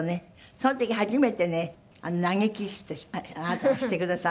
その時初めてね投げキッスあなたがしてくださったの。